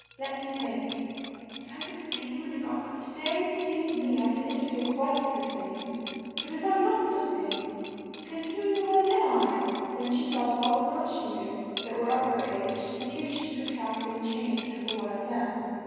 Let me think: was I the same when I got up to day? Seems to me I didn't feel quite the same. But if I'm not the same, then who in the world am I?" Then she thought of all the girls she knew that were of her age, to see if she could have been changed for one of them.